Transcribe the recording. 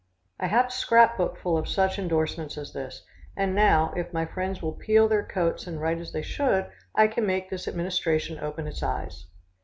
I have a scrap book full of such indorsements as this, and now, if my friends will peel their coats and write as they should, I can make this administration open its eyes.